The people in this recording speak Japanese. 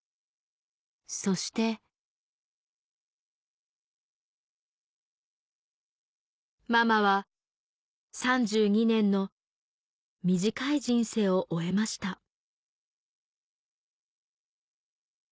そしてママは３２年の短い人生を終えました